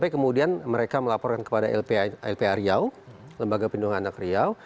kemudian mereka melaporkan kepada lpa riau lembaga pelindungan anak riau